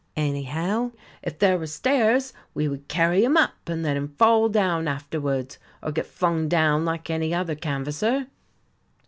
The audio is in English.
Anyhow, if there were stairs we could carry him up and let him fall down afterwards, or get flung down like any other canvasser."